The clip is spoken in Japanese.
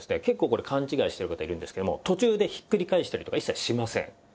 結構これ勘違いしてる方いるんですけども途中でひっくり返したりとか一切しません。